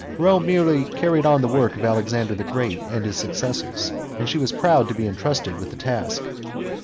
Rome merely carried on the work of Alexander the Great and his successors, and she was proud to be entrusted with the task.